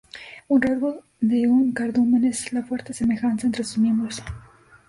Un rasgo de un cardumen es la fuerte semejanza entre sus miembros.